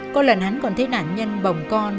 có lần hắn còn thấy nạn nhân bồng con